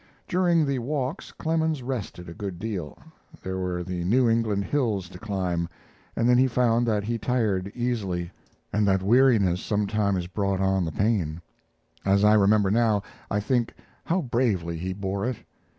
During the walks Clemens rested a good deal. There were the New England hills to climb, and then he found that he tired easily, and that weariness sometimes brought on the pain. As I remember now, I think how bravely he bore it.